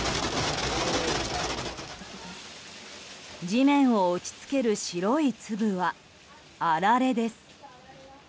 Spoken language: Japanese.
地面を打ち付ける白い粒はあられです。